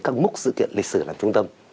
các mốc sự kiện lịch sử làm trung tâm